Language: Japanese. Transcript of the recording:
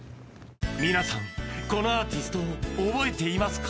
皆さんこのアーティストを覚えていますか？